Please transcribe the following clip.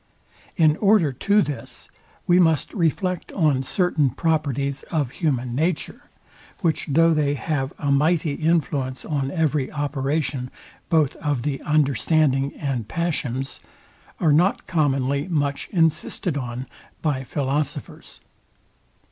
In order to this we must reflect on certain properties of human nature, which though they have a mighty influence on every operation both of the understanding and passions, are not commonly much insisted on by philosophers.